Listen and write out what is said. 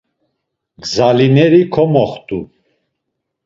Gzalineri komoxt̆u.